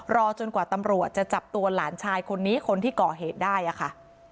จนกว่าตำรวจจะจับตัวหลานชายคนนี้คนที่ก่อเหตุได้ค่ะ